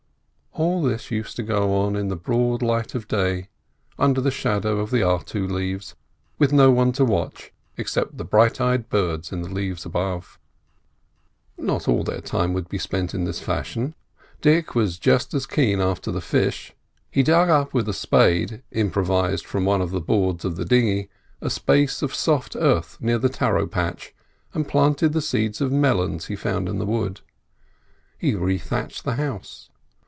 All this used to go on in the broad light of day, under the shadow of the artu leaves, with no one to watch except the bright eyed birds in the leaves above. Not all their time would be spent in this fashion. Dick was just as keen after the fish. He dug up with a spade—improvised from one of the boards of the dinghy—a space of soft earth near the taro patch and planted the seeds of melons he found in the wood; he rethatched the house.